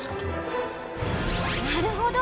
なるほど！